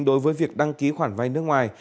đối với việc đăng ký khoản vay nước ngoài